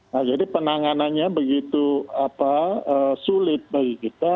nah jadi penanganannya begitu sulit bagi kita